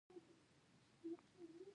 د مرمرو کانونه په هلمند کې دي